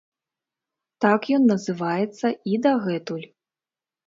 Так ён называецца і дагэтуль.